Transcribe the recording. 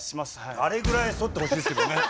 あれぐらい反ってほしいですけどね。